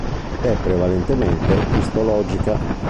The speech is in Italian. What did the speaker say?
È prevalentemente istologica.